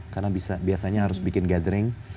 karena biasanya harus bikin gathering